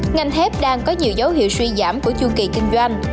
ngành thép đang có nhiều dấu hiệu suy giảm của chu kỳ kinh doanh